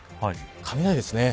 雷ですね。